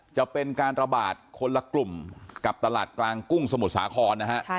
จะเป็นการระบาดคนละกลุ่มกับตลาดกลางกุ้งสมุทรสาครนะฮะ